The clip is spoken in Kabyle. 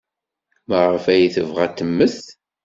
Maɣef ay tebɣa ad temmet?